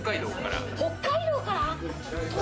北海道から。